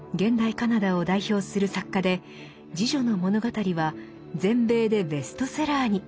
カナダを代表する作家で「侍女の物語」は全米でベストセラーに。